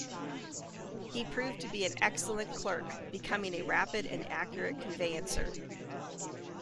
He proved to be an excellent clerk, becoming a "rapid and accurate conveyancer".